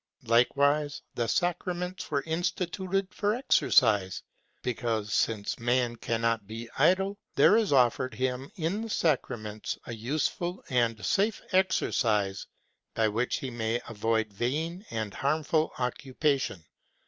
вҖ" ^Likewise, the sacraments were instituted for exercise, because since man cannot be idle, there is offered him in the sacraments a useful and safe exercise by which he may avoid vain and harmful occupation.